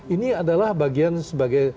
ini adalah bagian sebagai